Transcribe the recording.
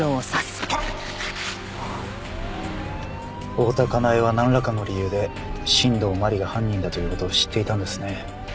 大多香苗はなんらかの理由で新道真理が犯人だという事を知っていたんですね。